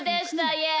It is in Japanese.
イエイ！